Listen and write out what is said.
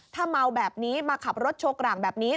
ถ้าเมาแบบนี้มาขับรถโชว์กลางแบบนี้